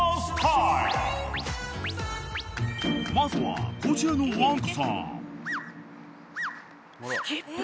［まずはこちらのワンコさん］